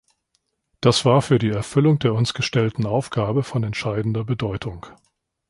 Das war für die Erfüllung der uns gestellten Aufgabe von entscheidender Bedeutung.